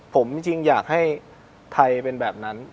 ผมจริงอยากให้ไทยเป็นแบบนั้น